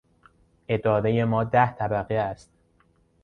ادارهی ما ده طبقه است.